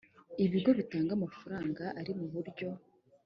ibigo bitanga amafaranga ari mu buryo